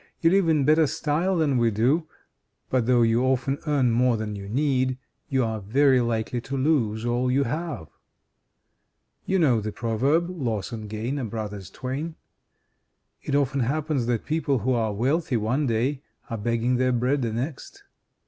You live in better style than we do, but though you often earn more than you need, you are very likely to lose all you have. You know the proverb, 'Loss and gain are brothers twain.' It often happens that people who are wealthy one day are begging their bread the next.